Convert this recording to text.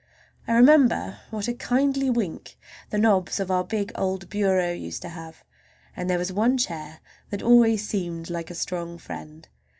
I remember what a kindly wink the knobs of our big old bureau used to have, and there was one chair that always seemed like a strong friend.